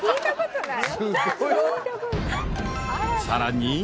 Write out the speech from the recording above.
［さらに］